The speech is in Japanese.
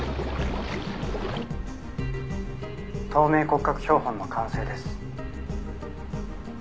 「透明骨格標本の完成です」